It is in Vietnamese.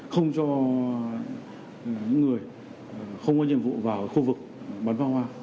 không cho những người không có nhiệm vụ vào khu vực bắn phá hoa